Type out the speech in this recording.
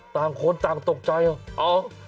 ต่างคนต่างตกใจอ่ะ